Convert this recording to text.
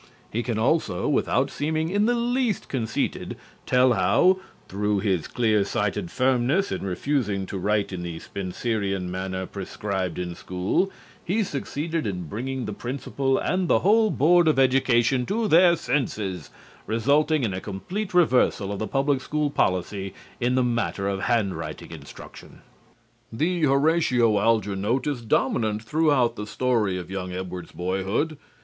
He can also, without seeming in the least conceited, tell how, through his clear sighted firmness in refusing to write in the Spencerian manner prescribed in school, he succeeded in bringing the Principal and the whole Board of Education to their senses, resulting in a complete reversal of the public school policy in the matter of handwriting instruction. The Horatio Alger note is dominant throughout the story of young Edward's boyhood.